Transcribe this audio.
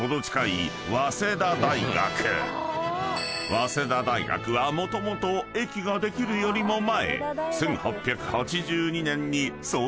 ［早稲田大学はもともと駅ができるよりも前］